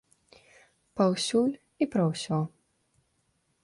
Паўсюль і пра ўсё.